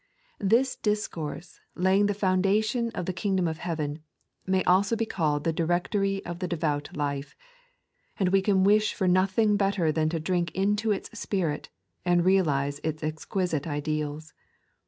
This discourse, laying the foundation of the Kingdom of Heaven, may also be called the Directory of the Devout Life, and we can wish for nothing better than to drink into its spirit, and realize its exquisite ideals.